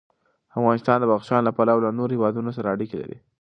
افغانستان د بدخشان له پلوه له نورو هېوادونو سره اړیکې لري.